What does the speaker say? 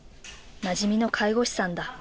なじみの介護士さんだ。